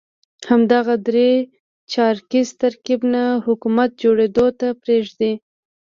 همدغه درې چارکیز ترکیب نه حکومت جوړېدو ته پرېږدي.